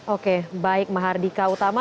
oke baik mahardika utama